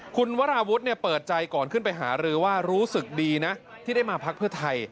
คุณวราวุฒิเปิดใจก่อนขึ้นไปหารือว่ารู้สึกดีนะที่ได้มาพักเพื่อไทย